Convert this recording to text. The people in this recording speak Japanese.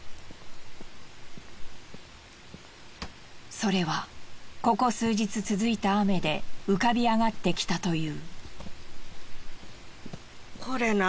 それはここ数日続いた雨で浮かび上がってきたという。